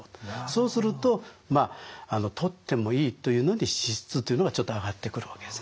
そうするとまあ「とってもいい」というのに脂質というのがちょっと挙がってくるわけですね。